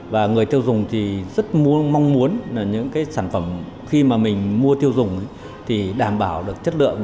và người tiêu dùng thì rất mong muốn là những cái sản phẩm khi mà mình mua tiêu dùng thì đảm bảo được chất lượng